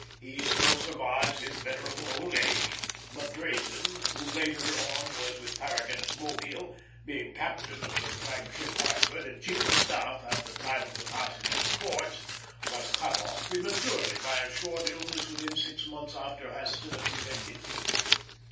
He still survives in venerable old age; but Drayton, who later on was with Farragut at Mobile, being captain of the flag ship Hartford and chief of staff at the time of the passage of the forts, was cut off prematurely by a short illness within six months after hostilities ended.